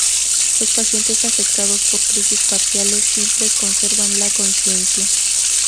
Los pacientes afectados por crisis parciales simples conservan la conciencia.